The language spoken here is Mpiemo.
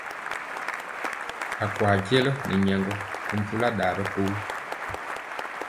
A kwa jɛlɔ nɛ nyaŋgɔ ri mpula ɗa ɓɛkogi.